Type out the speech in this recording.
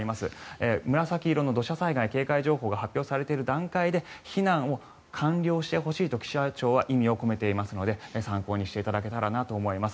紫色の土砂災害警戒情報が発表されている段階で避難を完了してほしいという気象庁は意味を込めていますので参考にしていただけたらなと思います。